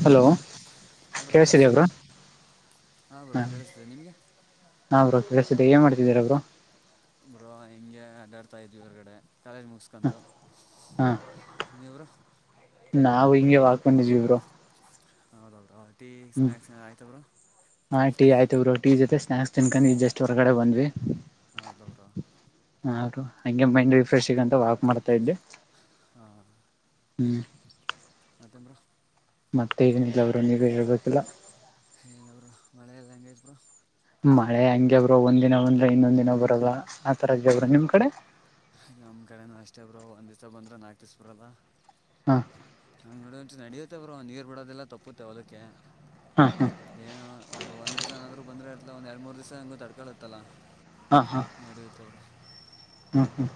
Hello ಅವ್ರ ಕೇಳಿಸಲ್ವಾ [unintelligible] ಹ್ಮ bro ಕೇಳ್ಸ್ತಿದೆ ಏನ್ ಮಾಡ್ತಿದ್ದೀರ ಬ್ರೋ ಬ್ರೋ ಹೆಂಗೆ ಅಡ್ಡಾಡ್ತಾ ಇದ್ವಿ ಹೊರಗಡೆ. ಕಾಲೇಜ್ ಮುಗಿಸ್ಕೊಂಡು ಹಾ ನೀವ್ರು? ನಾವು ಹಿಂಗೆ ವಾಕ್ ಬಂದಿದ್ವಿ ಬ್ರೊ. ಹೌದದ್ರಾ. ಹ್ಮ್ ಹಾಂ ಟೀ ಆಯ್ತು ಬ್ರೊ ಟೀ ಜೊತೆ ಸ್ನ್ಯಾಕ್ಸ್ ತಿನ್ಕೊಂಡು ಈ ಜಸ್ಟ್ ಹೊರಗಡೆ ಬಂದ್ವಿ. ಹೌದಾ ಬ್ರೊ. ಹಾಂ ಬ್ರೊ ಹಂಗೆ ಮೈಂಡ್ ರಿಫ್ರೆಶಿಗಂತ ವಾಕ್ ಮಾಡ್ತಾ ಇದ್ದೆ. ಹಾ ಹ್ಮ್ ತ್ತೆ ಬ್ರೊ ಮತ್ತೆ ಏನಿಲ್ಲ ಅವರು ನೀವೇ ಹೇಳ್ಬೇಕಿಲ್ಲ. ಏನು ಬ್ರೊ ಮಳೆ ಎಲ್ಲ್ ಹೆಂಗೖತ್ ಬ್ರೊ? ಮಳೆ ಹಂಗೆ ಬ್ರೊ ಒಂದ್ ದಿನ ಬಂದ್ರ ಇನ್ನೊಂದ್ ದಿನ ಬರಲ್ಲ ಆ ತರ ಇದ್ಯೆ ಬ್ರೊ ನಿಮ್ ಕಡೆ? ನಮ್ಮ ಕಡೆನೂ ಅಷ್ಟೇ ಬ್ರೊ ಒಂದು ದಿವ್ಸ ಬಂದ್ರೆ ನಾಲ್ಕು ದಿಸ ಬರಲ್ಲ. ಹಾ ಹಂಗ್ ನಡೆಯುತ್ತೆ ಬ್ರೋ ನೀರ್ ಬಿಡದೆಲ್ಲ ತಪ್ಪುತ್ತೆ ಹೊಲಕ್ಕೆ. ಹಾ ಹಾ ಏನೋ ಒಟ್ಟ್ ಒಂದ್ ದಿವ್ಸನಾದ್ರು ಬಂದ್ರೆ ಅ ಇಲ್ಲ ಒಂದ್ ಎರಡು ಮೂರ್ ದಿವಸ ಹೆಂಗೊ ತಡ್ಕಳತ್ತಲ್ಲಾ ಹಾ ಹಾ ನಡೆಯುತ್ತೆ ಬ್ರೊ. ಹ್ಮ್ ಹ್ಮ್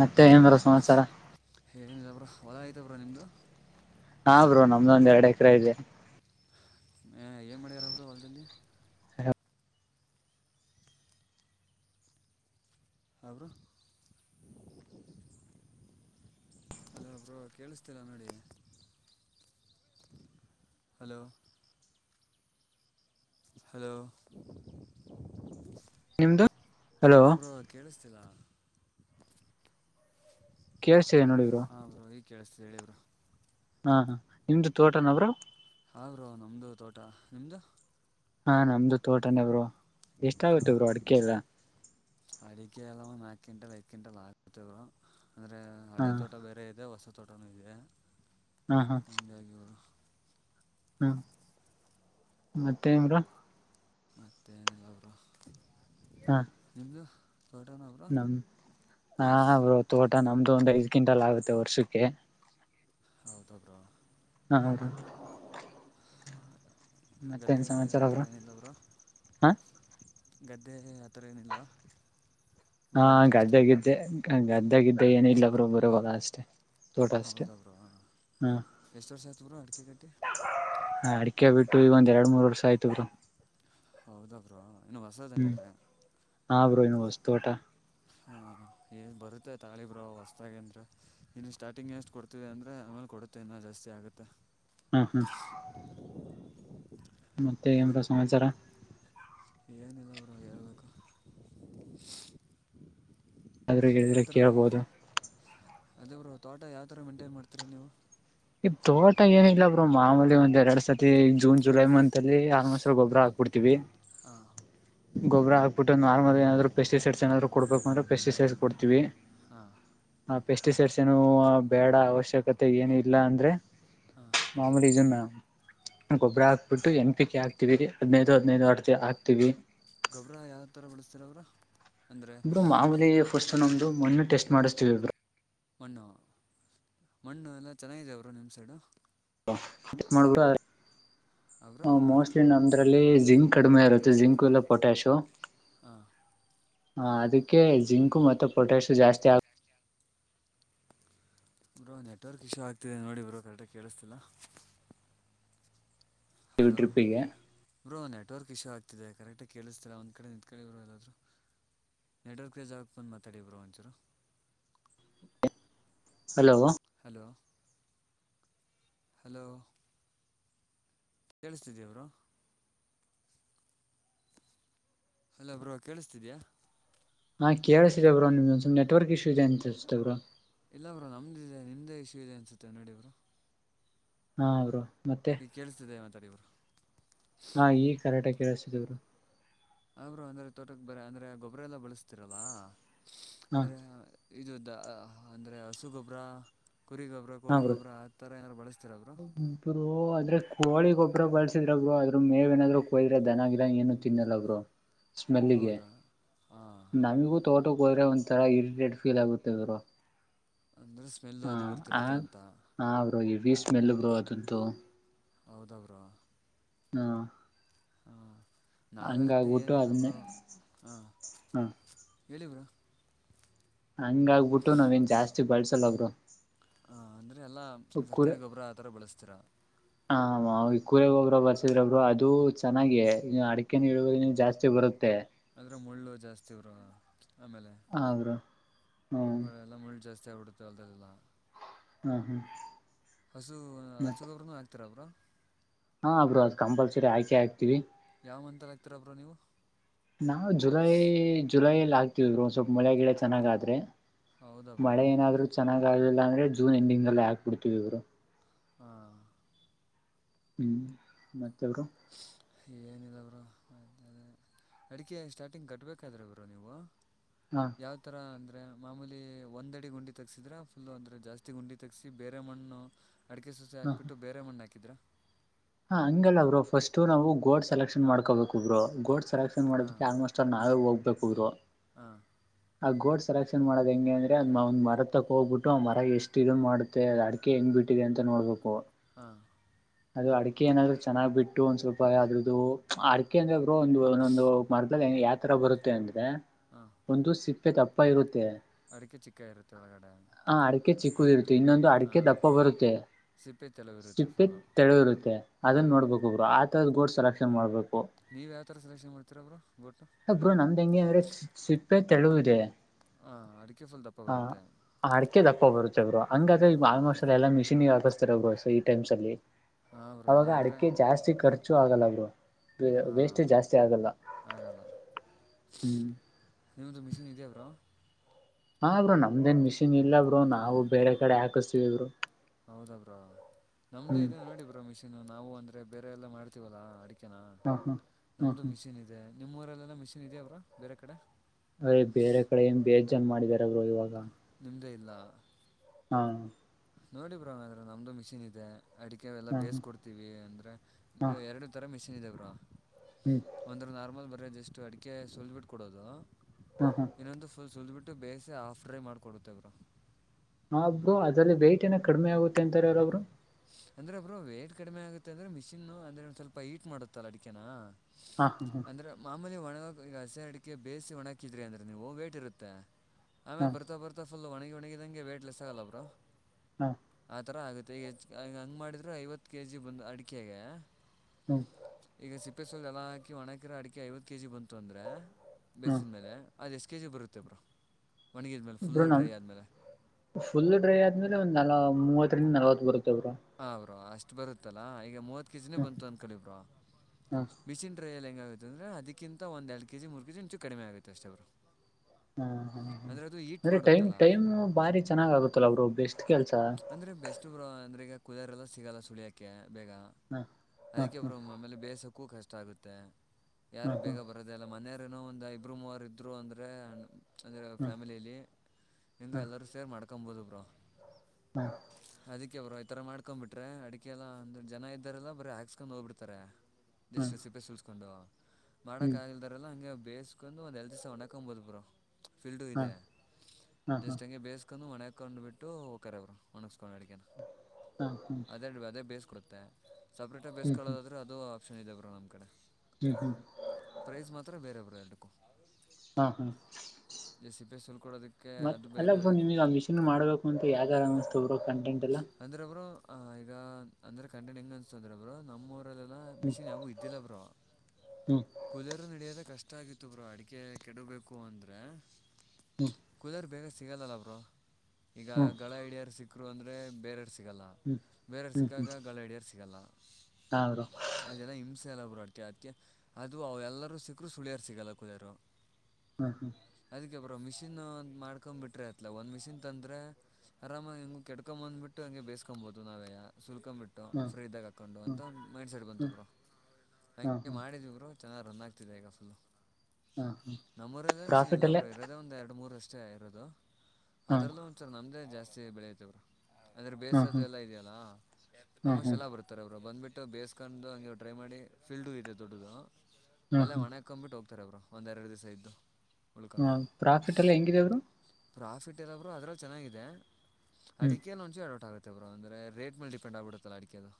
ಮತ್ತೆ ಏನ್ ಬ್ರೊ ಸಮಾಚಾರ? ತು ಬ್ರೊ ನಿಮ್ದು? ಹಾ ಬ್ರೋ ನಮ್ದೊಂದ್ ಎರಡೆಕ್ರೆ ಇದೆ. ಹಾ ಏನು ಮಾಡ್ಯಾರ ಬ್ರೊ ಹೊಲ್ದಲ್ಲಿ? ಹಾ ಬ್ರೊ. ಹಲೋ ಬ್ರೋ ಕೇಳಿಸ್ತಿಲ್ಲ ನೋಡಿ. ಹಲೋ ಹಲೋ ನಿಮ್ದು ಹಲೋ ಅಲ ಬ್ರೋ ಕೇಳಿಸ್ತಿಲ್ಲಾ. ಕೇಳ್ಸತಿಲ್ಲ ನೋಡಿ ಬ್ರೊ. ಕೇಳಿಸ್ತೆ ಹೇಳಿ ಬ್ರೊ. ಹಾ ನಿಮ್ದು ತೋಟನ ಬ್ರೊ. ಹಾ ಬ್ರೊ ನಮ್ದು ತೋಟ ನಿಮ್ದು? ಹಾ ನಮ್ದು ತೋಟನೆ ಬ್ರೊ ಎಷ್ಟ್ ಆಗುತ್ತೆ ಬ್ರೊ ಹೌದು ಅಡಿಕೆ ಎಲ್ಲ? ಅಡಿಕೆ ಎಲ್ಲವ ನಾಕು ಕ್ವಿಂಟಲ್ ಐದ್ ಕ್ವಿಂಟಲ್ ಆಗತೆ ಬ್ರೊ. ಅಂದರೆ ಹಾ ಹಳೆ ತೋಟ ಬೇರೆ ಇದೆ ಹೊಸ ತೋಟನೂ ಇದೆ ಹಾ ಹಂಗಾಗಿ ಹ್ಮ ಮತ್ತೆನ್ ಬ್ರೊ. ಮತ್ತೆ ಏನಿಲ್ಲ ಬ್ರೊ ನಿಮ್ದು? ನಮ ಹಾ ಬ್ರೊತ ತೋಟ ನಮ್ದು ಒಂದ್ ಐದ್ ಕ್ವಿಂಟಲ್ ಆಗುತ್ತೆ ವರ್ಷಕ್ಕೆ. ಹೌದ ಬ್ರೊ. ಹಾ ಹೌದು. ಗದ್ದೇ ಸಮಾಚಾರ ಆ ಥರ ಬ್ರೋ ಏನಿಲ್ಲ ಬ್ರೊ ಹಾ ಗದ್ದ್ ಗದ್ದೇ ಆ ಥರ ಏನಿಲ್ವಾ? ಬರೀ ಹಾ ಅಡಿಕೆ ಗದ್ದೆ ಅಷ್ಟೇನಾ ಗಿದ್ದೆ ಗದ್ದೆಗಿದ್ದೆ ಏನ ಇಲ್ಲ ಬ್ರೊ ಬರಿ ಹೊಲ ಅಷ್ಟೇ. ತೋಟ ಅಷ್ಟೇ ಹೌದ ಬ್ರೊ ಹಾಂ ಹಾ ಎಷ್ಟು ವರ್ಷ ಆಯ್ತು ಬ್ರೊ ಅಡಿಕೆ ಕಟ್ಟಿ? ಈಗ್ ಒಂದ್ ಎರಡ್ ಮೂರ್ ವರ್ಷ ಆಯ್ತು ಬ್ರೊ. ಹೌದ ಬ್ರೋ ಇನ್ನು ಹೊಸದಂಗಾದ್ರೆ ಹಾ ಬ್ರೋ ಏನು ವಸ್ತುಟಾ. ಹಾ ಏ ಬರುತ್ತೆ ತಾಳಿ ಬ್ರೋ ಹೊಸತಾಗೇಂದ್ರೆ ಇನ್ ಸ್ಟಾರ್ಟಿಂಗ್ ಎಷ್ಟು ಕೊಡ್ತಿದೆ ಅಂದ್ರೆ ಆಮೇ ಲೆ ಕೊಡುತ್ತೆ ಇನ್ನ ಜಾಸ್ತಿ ಆಗುತ್ತೆ. ಹ್ಮ್ ಹ್ಮ್ ಮತ್ತೆ ಏನಡದ ಸಮಾಚಾರ. ಏನಿಲ್ಲ ಬ್ರೋ ಹೇಳ್ಬೇಕು. ಅದ್ರಗ ಯಾವ ಹೇಳಿದ್ರೆ ಥರ ಕೇಳಬಹುದು. ಅದೇ ಬ್ರೋ ತೋಟ ಯಾವ ಥರ ಮೇಂಟೈನ್ ಮಾಡ್ತೀರಾ ನೀವು. ಈ ತೋಟ ಏನೀಲ್ಲ ಬ್ರೋ ಮಾಮೂಲಿ ಒಂದ ಎರಡೇರಡ ಸರ್ತಿ ಜೂನ್ ಜುಲೈ ಮಂತಲ್ಲಿ ಆಲ್ಮೋಸ್ಲ್ ಗೊಬ್ಬರ ಹಾಕ್ ಬೀಡ್ತೀವಿ. ಹಾ ಗೊಬ್ರ ಹಾಕಬಿಟ್ಟು ನಾರ್ಮಲ್ ಏನಾದ್ರು ಪೆಸ್ಟಿಸೈಡ್ಸ್ ಏನಾದರು ಕೊಡಬೇಕು ಅಂದ್ರ ಪೆಸ್ಟಿಸೈಡ್ಸ್ ಕೊಡ್ತೀವಿ. ಹಾ ಆ ಪೆಸ್ಟಿಸೈಡ್ಸ್ ಏನು ಬೇಡ ಅವಶ್ಯಕತೆ ಏನು ಇಲ್ಲ ಅಂದ್ರೆ. ಹಾಂ ಮಾಮೂಲಿ ಈಜನ್ನ. ಗೊಬ್ಬರ ಹಾಕ್ಬಿಟ್ಟು ಎಂಪಿಕೆ ಹಾಕ್ತಿವಿ ಹದನೈದು ಹದ್ನೈದು ಅಡತಿ ಹಾಕ್ತಿವಿ. ಗೊಬ್ಬರ ಯಾವ ತರ ಬೆಳಸ್ತಿರ ಬ್ರೋ. ಅಂದರೆ ಒಬ್ರು ಮಾಮೂಲಿ ಫಸ್ಟ್ ನಮ್ದು ಮೋಣ್ಣು ಟೆಸ್ಟ್ ಮಾಡಿಸ್ತೀವಿ ಬ್ರೋ. ಮಣ್ಣು ಮಣ್ಣು ಎಲ್ಲ ಚೆನ್ನಾಗಿದೆ ಬ್ರೋ ನಿಮ್ಮ ಸೈಡು. ಆ ಬ್ರೋ ಮೋಸ್ಟ್ಲಿ ನಮ್ ಇದರಲ್ಲಿ ಜಿಂಕ್ ಕಡಿಮೆ ಇರುತ್ತೆ ಜಿಂಕು ಇಲ್ಲ ಪೊಟ್ಯಾಶು. ಹಾ ಹ ಅದಕ್ಕೆ ಜಿಂಕು ಮತ್ತು ಪೊಟ್ಯಾಶು ಜಾಸ್ತಿ ಆಗ್ ಬ್ರೋ ನೆಟ್ವರ್ಕ್ ಇಶ್ಯೂ ಆಗ್ತಿದೆ ನೋಡಿ ಬ್ರೋ ಕರೆಕ್ಟಾಗಿ ಕೇಳಿಸ್ತಿಲ್ಲ. ಆಗ್ತೀವಿ ಹಲೋ ಡ್ರಿಪ್ಪಿಗೆ ಬ್ರೋ ನೆಟ್ ಟ್ವರ್ಕ್ ಇಶ್ಯೂ ಆಗ್ತಿದೆ ಕರೆಕ್ಟಾಗಿ ಕೇಳಿಸ್ತಿಲ್ಲ ಒಂದ ಕಡೆ ನಿಂತ್ಕೋಳಿ ಬ್ರೋ ಎಲ್ಲಾದರೂ. ನೆಟ್ವರ್ಕ್ ಇರೋ ಜಾಗಕ್ಕ ಬಂದು ಮಾತಾಡಿ ಬ್ರೋ ಒಂಚೂರು. ಹಲೋ ಹಲೋ ಹಲೋ ಕೇಳಸ್ತಿದೆಯ ಬ್ರೋ. ಹಲೋ ಬ್ರೋ ಕೇಳಸ್ತಿದ್ಯಾ. ಹಾ ಕೇಳಸ್ತಿದೆ ಬ್ರೋ ನಿಮ್ದಸಾ ನೆಟ್ವರ್ಕ್ ಇಶ್ಯೂ ಇದೆ ಅಂತ ಅಷ್ಟೆ ಬ್ರೋ. ಇಲ್ಲ ಬ್ರೋ ನಮ್ದದಿದೆ ನಿಮ್ದೇ ಇಶ್ಯೂ ಇದೆ ಅನ್ಸುತ್ತೆ ನೋಡಿ ಬ್ರೋ. ಹಾ ಬ್ರೋ ಮತ್ತೆ ಈಗ ಕೇಳಿಸತಿದೆ ಮಾತಡ ಇವಾಗ. ಹಾ ಈಗ ಕರೆಟಾಗಿ ಕೇಳಸ್ತಿದೆ ಬ್ರೋ. ಹಾ ಬ್ರೋ ಅಂದ್ರೆ ತೋಟಕ್ ಬರ ಅಂದ್ರೆ ಗೊಬ್ಬ್ರ ಎಲ್ಲ ಬಳಸ್ತಿರಲಾ ಹಾ ಅಂದ್ರೆ ಇದು ದ ಅ ಹ್ ಅಂದ್ರೆ ಹಸುಗೊಬ್ಬರ. ಕುರಿ ಗೊಬ್ರ ಹಾ ಕೋಳಿ ಬ್ರೋ ಗೊಬ್ರ ಆ ಥರ ಏನಾರ ಬಳಸ್ತಿರ ಬ್ರೋ. ಓ ಆದ್ರೆ ಕೋಳಿಗೊಬ್ರ ಬಳಸಿದ್ರ ಬ್ರೋ ಅದ್ರ ಮೇವ ಏನಾದ್ರು ಕೋಯಿದ್ರೆ ದನಗಿನ ಏನು ತಿನ್ನಲ್ಲ ಬ್ರೋ. ಸ್ಮೆಲ್ಲಿಗೆ ಹೌದಾ ಹಾಂ ನನಗೂ ತೋ ಟುಕ ಹೋದ್ರೆ ಒಂಥರ ಇರಿಟೆಡ್ ಫೀಲ್ ಆಗುತ್ತೆ ಬ್ರೋ. ಅಂದ್ರ ಸ್ಮೆಲ್ ಅದು ಹ ಬರ್ತಿರುತ್ತ. ಹಾ ಬ್ರೋ ಹೆವಿ ಸ್ಮೆಲ್ ಬ್ರೋ ಅದಂತು. ಹೌದ ಬ್ರೋ. ಹಾ ಹಾಂ ನಾವೆಲ್ಲ ಹಂಗಾಗ ಬೀಟ್ಟು ಏನಿಲ್ಲ ಅದನ್ನೆ ಬ್ರೋ ಹಾಂ ಹ. ಹೇಳಿ ಬ್ರೋ ಹಂಗಾಗ್ಬಿಟ್ಟು ನಾವೆನ್ ಜಾಸ್ತಿ ಬಳ್ಸಲ್ಲ ಬ್ರೋ. ಅಂದ್ರೆ ಎಲ್ಲ ಕುರಿ ಸರ್ಕಾರಿ ಗೊಬ್ಬರ ಆ ಥರ ಬಳಸ್ತೀರ. ಹ ಕೂರೆ ಹ ಒಬರು ಬರ್ಸಿದ್ರೊಬ್ರು ಅದು ಚೆನ್ನಾಗೆ ಅಡಿಕೆ ಇ ಜಾಸ್ತಿ ಬರುತ್ತೆ ಆದ್ರೆ ಮುಳ್ಳು ಜಾಸ್ತಿ ಇರು ಆಮೇಲೆ ಆ್ರ ಮಳೆ ಎಲ್ಲ ಮುಳಿ ಜಾಸ್ತಿಯಾ ಉಡತ ಅದಲ್ಲ ಹ್ಮ್ ಹ್ಮ್ ಹಸು ಮತ್ತೆ ಹಸುಗೊಬ್ಬ್ರನುಹಾಕ್ತರಬ್ ಹಾ ಅಬ್ರು ಅದು ಕಂಪಲ್ಸರಿ ಆಯ್ಕೆ ಆಗ್ತಿವಿ ಯಾವ ಮಂತರ ಆಗ್ತೀರಬ್ರೋ ನೀವು ನಾವವು ಜುಲೈ ಜುಲೈಲ್ಲಿ ಆಗ್ತವ್ರು ಒ ಸ್ವಲ್ಪ ಮಳೆ ಗಿಡ ಚೆನ್ನಾಗ ಆದ್ರೆ ಹೌದಾ ಬ್ರೋ ಮಳೆ ಏನಾದ್ರು ಚೆನ್ನಾಗ್ ಆಗಲಿಲ್ಲ ಅಂದ್ರೆ ಜೂನ್ ಎಂಡಿಂಗ್ ಅಲ್ಲಿ ಹಾಕ್ಬಿಡ್ತವಿ ಇವ್ರು ಹಾ ಹ್ಮ್ ಮತ್ತೆವರು ಏನಿದವರು ಮ ಅಡಿಕೆ ಸ್ಟಾರ್ಟಿಂಗ್ ಕಟ್ಟಬೇಕಾದ್ರೆ ಬರುೋ ನೀವು ಹಾ ಯಾವ ತರ ಅಂದ್ರೆ ಮಾಮೂಲಿ ಒಂದ್ ಅಡಿ ಗುಂಡಿ ತಗಸಿದ್ರ ಫುಲ್ ಒಂದ್ರ ಜಾಸ್ತಿ ಗುಂಡಿ ತಗಸಿ ಬೇರೆ ಮಣ್ಣು ಅಡಿಕೆ ಸುಸೆ ಹಾ ಹಾಕ್ಿಬಿಟ್ಟು ಬೇರೆ ಮಣ್ಣು ಹಾಕಿದ್ರಾ ಹಾ ಹಂಗಲ್ಲಬ್್ರರು ಫಸ್ಟ್ು ನಾವು ಗೋಲ್ಡ್ ಸೆಲೆಕ್ಷನ್ ಮಾಡ್ಕೋಬೇಕುಬ್ರು ಗೋಡ್ಸ್ ಸೆಲೆಕ್ಷನ್ ಹಾಂ ಮಾಡದಕ್ಕೆ ಆಲ್ಮೋಸ್ಟ್ ನಾವೇ ಹೋಗ್ಬೇಕ್ರು ಹಾಂ ಆ ಗೋಡ್ಸ್ ಸಲೆಕ್ಷನ್ ಮಾಡದ ಹ ಹೆಂಗೆಂದ್ರೆ ಒಂದ ಮರ ತ ಹೋಗ್ಬಿಟ್ಟು ಆ ಮರ ಎಷ್ಟ ಇದು ಮಾಡುತ್ತೆ ಅಡೆ ಹೆಂಗ ಬಿಟ್ಟಿದೆ ಅಂತ ನ ರಪ ಹಾ ಅದು ಅಡ ಅಕೆ ಏನಾದ್ರು ಚೆನ್ನಾಗಿ ಬಿಟ್ಟು ಒಂದ್ ಸ್ವಲ್ಪ ಯದ್ದು ಅಡಕೆ ಅಂದ್ರೆರು ಒಂದು ಒಂದೊಂದು ಮರದದಲ್ಲಿ ಯಾವ ತರ ಬರುತ್ತೆ ಅಂದ್ರೆ ಹಾಂ ಒಂದು ಸಿಪ್ಪೆ ತಪ್ಪ ಇರುತ್ತೆ ಅಡಿಕೆ ಚಿಕ್ಕ ಇರುತ್ತೆ ಒಳಗಡೆ ಅೆ ಚಿಕ್ಕುದಿರುತ್ತೆ ಇನ್ನೊಂದು ಅಡಿಕೆ ಹಾಂ ದಪ್ಪ ಬರುತ್ತೆ ಸಿಪ್ಪೆ ತೆಲವು ಇರುತ್ತೆ ಸಿಪ್ಪೆ ಫುಲ್ಲು ತೆಳದ ಇರುತ್ತೆ ಹಾಂ ಅದನ್ನ ಬ್ರೋ ನೋಡ್ಬೇಕು ಒಬ್ರು ಆತರದ ಗೋಡ್ ಸೆಲೆಕ್ಷನ್ ಮಾಡ್ಬೇಕು ನೀವು ಯಾವ ಥರ ಸೆಲೆಕ್ಷನ್ ಮಾಡ್ತೀರ ಬ್ರೋ ಬೋಟು ಅರ ನಮ್ದೆಂಗ ಅವರಪ ತೆಳುವುಿದೆ ಆ ಅ ಹ ಅಡ್ಕೆ ದಪ್ಪ ಬರುತ್ತೆವರು ಹಂಗಾದ್ರೆ ಹಾಂ ಆಲ್ಮೋಸ್ಟ್ ಅ ಎಲ್ಲ ಮಿಷೀನಿ ವ್ಯವಸ್ಥೆ ಈ ಟೈಮ್ಸ್ ಅಲ್ಲಿ ಹಾಂ ಬ್ರೋ ಎಲ್ಲ ಅವಾಗ ಅಂದರೆ ಅಡಕೆ ಜಾಸ್ತಿ ಖರ್ಚು ಆಗಲ್ಲ ಅವರು ಹಾಂ ವೇಸ್ಟೇ ಜಾಸ್ತಿ ಆಗಲ್ಲ ಆಗಲ್ಲ ನಿಮ್ಮದು ಮಿಷಿನ್ ಇದೆಯ ಅವರಾ ಹಾರು ನಮ್ದೇನ್ ಮಿಷಿನ್ ಇಲ್ಲಬ್ರು ನಾವು ಬೇರೆ ಕಡೆ ಹಾಕಿಸಸ್ತೀವಿಿದ್ರು ಹೌದ ಬ್ರಾ ನಮ್ದು ಇದ ನೋಡಿ ಬ್ರಾ ಮಿಷಿನ್ ನಾವು ಅಂದ್ರೆ ಬೇರೆ ಎಲ್ಲಾ ಮಾಡ್ತೀವಲ್ಲಾ ಅಡಿಕ ೇನಾ ಹಾ ಹಾ ಹ್ಮ ನಮ್ದು ಹ್ಮ್ ಮಿಷಿನ್ ಇದೆ ನಿಮ್ಮ್ ಊರಲ್ಲೆಲ್ಲ ಮಿಷಿನ್ ಇೆಯ ಅವರು ಬೇರೆ ಕಡೆ ಅೇ ಬೇರೆ ಕಡೆ ಏನ್ ಬೇಜ್ ಜನ ಮಾಡಿದಾರ ಅವರು ಇವಾಗ ಇಂದ ಇಲ್ಲ ಹ್ಮ ನೋಡಿ ಬ್ರ್ರ ನಮ್ದು ಮಿಷಿನ್ ಇದೆ ಅಡಿಕೆ ಎಲ್ಲ ಹಾ ಹ್ಮ್ ಬೇಯಿಸಕೊಡ್ತೀವಿ ಅಂದ್ರೆ ಹಾ ಎರಡು ತರ ಮಿಷಿನ್ ಇದದೆವರು ಒಂದ್ರ ನಾರ್ಮಲ್ ಬರ ಜಸ್ಟ್ ಅಡಿಕೆ ಸುಲ್ ಬಿಟ್ಟ ಕೊಡೋದು ಹಾ ಇನ್ನೊಂದು ಫುಲ್ ಸುಲಟ್ಟು ಬೇಯಿಸಿ ಆಫ್ ಡ್ರೈವ್ ಮಾಡ್ಕೊಡುತ್ತೇವರು ಹಬ್ರು ಅದ್ರಲ್ಲಿ ಭೇಟೆನ ಕಡಿಮೆ ಆಗುತ್ತೆ ಅಂತಾರೆ ಅವ್ರೊಬ್ರು ಅಂದ್ರೆ ಒಬರು ವೇಟ್ ಕಡಿಮೆ ಆಗುತ್ತೆ ಅಂದ್ರೆ ಮಿಷಿನ್ ಅಂದ್ರೆ ಒ ಸ್ವಲ್ಪ ಹ ಈಟ್ ಮಾಡುತ್ತಲ್ಲ ಅಡಿಕೆನ ಹಾ ಹಾ ಹಾ ಆಮೇಲೆ ಒಣಗಕ ಈಗ ಹಸಿ ಅಡಿಕೆ ಬೇಯಿಸಿ ಒಣಗಾಕಿದ್ರಿ ಅಂದ್ರೆ ನೀವು ವೇಟ್ ಇರುತ್ತೆ ಹಾ ಆಮೇಲೆ ಬರ್ತಾ ಬರ್ತಾ ಫುಲ್ ಒಣಗಿ ಒಣಗಿದಂಗೆ ವೇಟ್ಲೆಸ್ ಆಗಲ್ಲ ಬ್ರಾ ಹಾ ಆ ಥರ ಆಗುತ್ತೆ ಈಗ ಹಂಗಗೆ ಮಾಡಿದ್ರೆ ಐವತ್ತು ಕೆಜಿ ಬಂದು ಅಡಿಕೆಗೆ. ಹ್ಮ ಈಗ ಸಿಪ್ಪೆ ಸೋಲ್ ಎಲ್ಲ ಹಾಕಿ ಒಣಕಿರ ಅಡಿಕೆ ಐವತ್ತು ಕೆಜಿ ಬಂತು ಅಂದ್ರೆ ಹ್ಮ್ ಬೇಸಿನ ಮೇಲೆ ಅದ ಎಷ್ಟ. ಕೆ ಜಿ ಬರುತ್ತೆ ಬ್ರೋ. ಒಣಗಿದ ಮೇಲೆ ಫುಲ್ಲು ಬ್ರಣ ಡ್ರೈ ಆದಮೇಲೆ ಫುಲ್ ಡ್ರೈ ಆದ್ಮೇಲೆ ಒಂದ್ ನ ಮೂವತ್ತರಿಂದ ನಲ್ವತ್ವ ಬರುತ್ತೆ. ತ್ತರ ಹಾಂ ಅಷ್ಟು ಬರುತ್ತಲ್ಲಾ ಈಗ ಮೂವತ್ ಕೆಜಿನೇ ಹ್ಮ ಬಂತು ಅಂದಕಳಬ್ರ ಹ್ಮ ಹ್ಮ ಬಿಸಿನ್್ರ ಎ ಹೆಂಗ ಆುತ್ತೆಂದ್ರೆ ಅದಕ್ಕಿಂತ ಒಂದ ಎರಡು ಕೆಜಿ ಮೂರು ಕೆಜಿ ಇಂಚ ಕಡಿೆಮೇ ಆಗೈೆ ಅಷ್ಟೆ ಬ್ರೋ. ಹಾ ಹ್ಮ ಹ ಅಂದರೆ ಅದು ಹೀಟ್ ಅಂದ್ರೆ ಟೈಮ್ ಮಾಡುತ್ತಲ್ಲ ಟೈಮ್ ಬಾರಿ ಚೆನ್ನಾಗ್ ಆಗುತ್ತಲ್ಲ ಅವ್ರರು ಒಬ್ಬ್ಯ ಅಂದ್ರೆ ಬೆಸ್ಟ್ ಬ್ರೋ ಅಂದ್ರೆ ಈಗ ಕುದಿಯರೆ ಎಲ್ಲ ಸಿಗಲ್ಲ ಸುಳಿಯಕೆ. ಬೇಗ ಹ ಹ್ಮ ಅದಕ್ಕೆ ಬ್ರೋ ಆಮೇಲೆ ಬೇಯಸೋಕ್ಕೂ ಕಷ್ಟ ಆಗುತ್ತೆ. ಯಾರು ಹ್ಮ್ ಬೇಗ ಹ್ಮ್ ಬರೋದೆೇ ಅಲ್ಲ ಮನೆಯಾರೇನೋ ಒಂದ್ ಇಬರು ಮೂವರ್ ಇದ್ರು ಅಂದ್ರೆ. ಅಂದ್ರೆ ಹ್ಮ್ ಹ್ಮ್ ಫ್ಯಾಮಿಲಿ ಹೆಿಂಗ ಎಲ್ಲರೂ ಸೇರ್ ಮಾಡ್ಕೊಬಹದು ಬ್ರೋ. ಹಾ ಅದಕ್ಕೆ ಬ್ರೋ ಈತರ ಮಾಡ್ಕೊಂಡ್ ಬಿಟ್ರ ಅಡಕೆಲ್ಲಾ ಜನ ಇದ್ದಾರೆಲ್ಲ ಬರೀ ಹಾಕ್ಸ್ಕೊಂಡ್ ಹೋಗ್ಬಿಡ್ತಾರೆ. ಜಸ್ಟ್ ಹ್ಮ್ ಸಿಪೆ ಸುಳ್ಸ್ಕೊಂಡು ಹ್ಮ್ ಹ್ಮ ಹ್ಮ್ ಹ್ಮ್ ಹ್ಮ ಹ್ಮ್ ಮಾಡಕ್ ಆಗಲ್ದರೆಲ್ಲ ಹಂಗೆ. ಬೇಸ್ಕೊಂಡ ಒಂದ ಎಲ್ ದಿವ್ಸ ಹೊಣಾಕಬಹುದು ಬರು ಫೀಲ್ಡು ಇದೆ ಜಸ್ಟ್ ಹಂಗೆ ಬೇಸ್.... ಹ ಒಣಕೊಂಡ್ ಬಿಟ್ಟು ಹಕಾರೆರು ಒಣಸ್ಕೊಂಡ್ ಅಡಗ ಅದೇ ಅ ಅದೇ ಬೇಸ್ ಕೊಡುತ್ತೆ ಸಪ್ರೇಟ ಹ್ಮ್ ಹ್ಮ್ ಬೇಿಸ್ಕೊಳ್ಳೋದಾದ್ರೆ ಅದು ಆಪ್ಷನ್ ಇದೆ ಬ್ರೋ ನಮ್ಮ ಕಡೆ. ಹ್ಮ್ ಹ್ಮ್ ಪ್ರೈಸ್ ಮಾತ್ರ ಬೇರೆ ಬ್ರೋ ಎರಡಕ್ಕೂ. ಹಾ ಹಾ ಈ ಸಿಪ್ಪೆ ಸುಲ್ಕೊಡೋದಕ್ಕೆ ಅದು ಮತ್ತ ಬೇರೆ ಅಲ್ಲ ನಿಮಗ್ ಆ ಮಿಶನ್ ಮಾಡ್ಬೇಕು ಅಂತ ಯಾಕ. ರಾಮ್ರ ಕಂಟೆಂಟ್ ಎಲ್ಲ. ಆ ಈಗ ಅಂದ್ರೆ ಕಂಟೆಂಟ್ ಹೆಂಗ್ ಅನ್ಸ್ತ ಅಂದ್ರೆಬ್ರು ನಮ್ಮ್ರ. ಮಿಷಿನ್ ಯು ಇದ್ದಿಲ್ಲ ಬ್ರೋ ಹ್ಮ್ ಕೂಲರ್ ನಡಿಯದ ಕಷ್ಟ. ಗತ್ತು ಬ ಅಡಿಕೆ ಕೆಡಬೇಕು ಅಂದ್ರೆ ಕೂಲರ್ ಬೇಗ. ಸಿಗಲ್ಲಲ್ಲ ಬ್ರೋ ಈಗ ಹ್ಮ್ ಗಳ ಹಿಡಿಯಾರ ಸಿಕ್ಕರು ಅಂದ್ರೆ ಬೇರೆ... ಸಿಗಲ್ಲ ಹ್ಮ್ ಬೇರೆಯವರು ಸಿಕ್ಕಾಗ ಗಳಹಿಡಿಯರು ಸಿಗಲ್ಲ. ಹ್ ಬ್ರೋ ಎಲ್ಲರು ಅಕೆ ಅದಕ್ಕೆ ಅದು ಅವ ಎಲ್ಲರೂ ಸಿಕ್ಕರು ಸುಳಿಯರ್ ಸಿಗಲ್ಲ ಕುದಿಯರು. ಹ್ಮ ಹ್ಮ ಬ್ರ ಮಿಷಿನ್ ಮಾಡ್ಕೊಂಡ್ ಬಿಟ್ರೆ ಅತ್ಲ ಒಂದ್ ಮಿಷಿನ್ ತಂದ್ರೆ ಆರಾಮಾಗಿ ಹೆಂಗ್ ಕೆಟ್ಕೊಂಬ ಬ್ಬಿಟ್ಟು ಹಂಗೆ ಬೇಯಸ್ಕೊಂಬಬಹದು ನಾವೇುಲ. ಹಕೊಂಡ್ಬಿಟ್ಟು ಹ್ಮ್ ಹ್ಮ್ ಫ್ರೀ ಇದಾಗ ಹಾಕೊಂಡು ಅಂತ ಮೈಂಡ್ ಸೆಟ್ ಬಂತಬರು ಹ್ಮ್ ಹಂಗೆ ಹ್ಮ್ ಮಾಡಿದ್ವಿರು. ಚೆನ್ನ ರನ್ ಆಗ್ತಿದೆ ಈಗ ಫುಲ್ ಹ್ಮ್ ಹ್ಮ್ ನಮ್ಮೂಊರಲ್ಲ ಮಿಷನ್ ಪ್ರಾಫಿಟ್ ಇಲ್ಲ ಅಲ್ಲೇ ಬ್ರೋ ಇರದ ಒಂದ್ ಎರಡು ಮೂರುಷ್ಟು. ೆ ಇರೋದು ಹ್ಮ್ ಅದ್ರಲ್ಲೂ ಒಂದ್ಸರ ನಮ್ದೇ ಜಾಸ್ತಿ ಬೆಳೆಯತವ ಬ್ರೋ. ಅಂದ್ರೆ ಹ್ಮ್ ಬೇಸದ ಹ್ಮ್ ಎಲ್ಲಾ ಇದೆಯಲ್ಲಾ ಹ್ಮ್ ಆಲ್ಮೋಸ್ಟ್ ಹ್ಮ್ ಎಲ್ಲಾ ಬರ್ತಾರೆ ಅವರು ಬಂದ್ಬಿಟ್ಟು. ಬೇಯಸ್ಕೊಂಡು ಹ ಟ್ರೈ ಮಾಡಿ ಫೀಲ್ಡ್ ಇಐದೆ ದೊಡ್ಡದು ಹ್ಮ್ ಅಲ್ಲ ಹ್ಮ್ ಒಣಕೊಂಬಿಟ್. ಬ್ರು ಒಂದ್ೆರಡು ದಿವಸ ಇದ್ದು. ಹ್ಮ ಉಳ್ಕೊಂಡು ಪ್ರಾಫಿಟ್ ಎಲ್ಲ ಹೆಂಗಿದೆ ಬ್ರೋ. ಪ್ರಾಫಿಟ್ ಇರೋಬ್ರು ಅದ್ರಲ್ಲಿ ಚೆನ್ನಾಗಿದೆ ಹ್ಮ್ ಅಡಿಕೆಯಲ್ಲ ಒಂಚೆ ಎಡವಟ್ ಆಗುತ್ತೆ. ಅಂದ್ರೆ ರೇಟ್ ಮೇಲೆ ಡಿಪೆಂಡ್ ಆಗ್ಬಿಡುತ್ತಲ್ಲ. ಅಡಿಕೆ ಅದು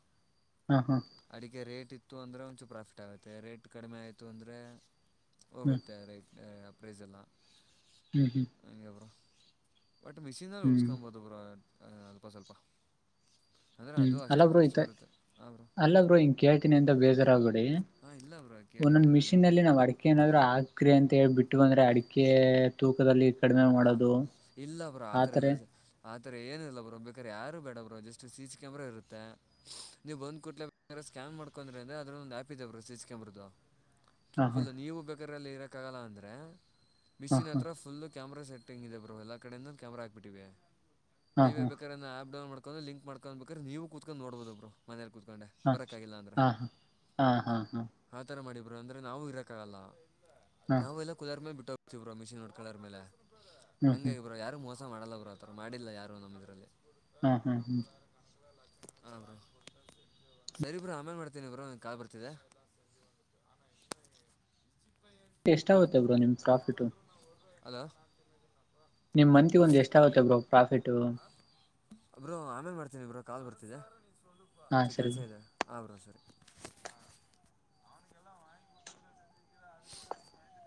ಹಾ ಹಾ ಅಡಿಕೆ ರೇಟ್ ಿತ್ತು ಅಂದರೆ ಒಂಚೂರ ಪ್ರಾಫಿಟ್ ಆಗುತ್ತೆ ರೇಟ್ ಕಡಿಮೆ ಆಯಿತು ಅಂದರೆ ಹ್ಮ್ ಹೋಗುತ್ತೆ. ರೇಟ್ ಪ್ರೈಸಲ್ಲ ಹ್ಮ್ ಹ್ಮ್ ಬಟ್ ಮಿಷಿನ್ಲ್ಲಿ ಹ್ಮ್ ಉಳಸ್ಕೊಬಹದು ಬ್ರ ಅಲ್ಪ ಸ್ವಲ್ಪ. ಅಂದರೆ ಹ್ಮ್ ಅದು ಅಷ್ಟೇ ಅಲ್ಲಬ್ರು ಖರ್ಚು ಈತ ಬರುತ್ತೆ ಹಾಂ ಬ್ರೋ ಅಲ್ಲಬ್ರು ಹಂಗ ಕೇಳ್ತೀನಿ ಅಂತ ಬೇಜಾರಾಗಬೇಡಿ. ಹಾಂ ಇಲ್ಲ ಬ್ರೋ ಕೇಳಿ ಒಂದೊಂದ್ ಮಿಷಿನ್ ಅಲ್ಲಿ ಅದರಲ್ಲೇನಿಲ್ಲ ನಾವ್ ಅಡಕೆ ಏನಾದ್ರು ಹಾಕ್ರಿ ಅಂತ ಹೇಳ್ಬಿಟ್ಟು. ಇಟ್ಟ ಅಂದ್ರೆ ಅಡಿಕೆ ತೂಕದಲ್ಲಿ ಕಡಿಮೆ ಹ ಮಾಡೋದು ಇಲ್ಲ ಬ್ರ ಆತರ ಎಲ್ಲ ಆ ಏನ ಇಲ್ಲ ಬ್ರ ಬೇಕಾದ್ರ ಯಾರ ಬಡ ಬ್ರೋ ಜಸ್ಟ್ ಸಿ ಕ್ಯಾಮರಾ ಇರುತ್ತೆ ನೀವು ಬಂದ್ ಕುತಿ. ಏನ್ ಮಾಡ್ಕೊಂಡ್ರ ಅಂದ್ರ ಅದ್ರೊಂದು ಆಪ ಇದೆ ಬ ಸಿಕಂಬ್ರದದು ಹಾ ಹಾ ಫುಲ್ ನೀವು ಬೇಕಾರ್ರಲ್ಲಿ ಇರಕ್ಕ ಆಗಲ್ಲ ಅಂದ್ರೆ ಹಾ ಮಿಶನ್ ಹತ್ರ ಫುಲ್. ಕ್ಯಾಮರಾ ಸೆಟ್ಟಿಂಗ್ ಇದೆ ಬೋ ಎಲ್ಲ ಕಡಿಂದ ಕ್ಯಾಮರಾ ಹಾಕ್ಬಿಟ್ಟಿವೆ ಹಾ ನೀವೇ ಹಾ ಬೇಕಾದ ಆಪ್ಡೌನ್ ಮಾಡ್ ಲಿಕ್ ಮಾಡ್ಕೋಬೇಕ್ರ ನೀವು ಕುೂತ್ಕು ನೋಬೋುದುಬ್ರು ಮನ ಕತ್. ಹ ಹಾ ಹಾ ಹಾ ಹಾ ಹಾ. ಅಂದ್ರೆ ನಾವು ಇರಕ್ಕಾಗಲ್ಲ ಹಾ ನಾವು ಎಲ್ಲ ಕ ಕುಲರ್ ಮೇಲೆ ಬಿಟ್ಟು ಹೋಗ್ತೀವ್ರ ಮಿಷಿನ್ ನೋಡ್ ಕಳರ್ ಮೇಲೆ. ಹ್ಮ್ ಹ್ಮ್ ಹಂಗಾಗಿ ಬ್ರೋ ಯಾರು ಮೋಸ ಮಾಡಲ್ಲ ಬ್ರೋ ಆತರ ಮಾಡಿಲ್ಲ ಯಾರು ನಮ್ಮ ಇದ್ರಲ್ಲಿ. ಹ್ಮ್ ಹ್ಮ್ ಹ್ಮ್. ಹ ಬ್ರ ಸರಿ ಬ್ರ ಆಮೇನ್ ಮಾಡ್ತೀನಿ ಬರು ಒ ಕಾಲು ಬರ್ತಿದೆ. ಹ [unintelligible] ಎಷ್ಟಾಗುತ್ತೆ ಬ್ರೋ ನಿಮ್ ಪ್ರಾಫಿಟು. ಹಲೋ. ನಿಮ್ ಮಂತ್ಗೆ ಒಂದು ಎಷ್ಟ ಆಗುತ್ತೆ ಬ್ರೋ ಪ್ರಾಫಿಟ. ಅಬ್ರು ಆಮೇಲೆ ಮಾಡ್ತೀನಿ ಇಬರು ಕಾಲ್ ಬರ್ತಿದ್ದ ಹಾ ಸೊ ಸರಿ ಕೆಲ್ಸ ಬ್ರೋ ಇದೆ ಹ ಬ್ರೋ ಸರಿ. [unintelligible]